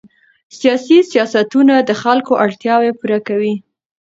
سیاسي سیاستونه د خلکو اړتیاوې پوره کوي